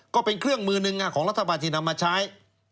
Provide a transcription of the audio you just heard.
ก็เป็นเครื่องมือหนึ่งของรัฐบาลที่นำมาใช้